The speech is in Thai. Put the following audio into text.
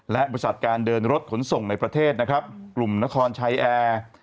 และบริษัทการเดินรถขนส่งในประเทศนะครับกลุ่มนครชัยแอร์